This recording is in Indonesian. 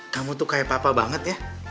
kamu tuh kayak papa banget ya